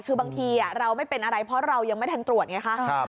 คือบางทีเราไม่เป็นอะไรเพราะเรายังไม่ทันตรวจไงคะ